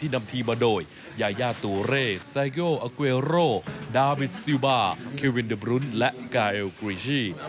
ที่นำทีมาโดยยายาตุเรแซเกอลอักเวโรดาวิทซิลบาร์เควินเดอร์บรุ้นและกาเอลกรีชี